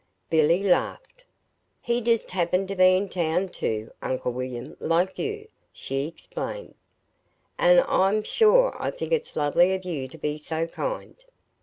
Billy laughed. "He just happened to be in town, too, Uncle William, like you," she explained. "And I'm sure I think it's lovely of you to be so kind.